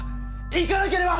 行かなければ！